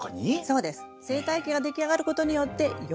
そうです。